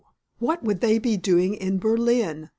What would they be doing in Berlin?"